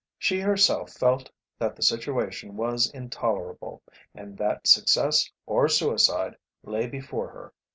She herself felt that the situation was intolerable, and that success or suicide lay before her.